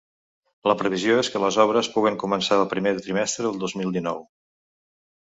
La previsió és que les obres puguen començar el primer trimestre de dos mil dinou.